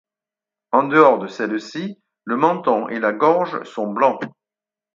En dehors de celle-ci, le menton et la gorge sont blancs.